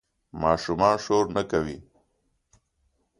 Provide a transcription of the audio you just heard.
ماشومان شور نه کوي.